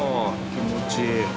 気持ちいい。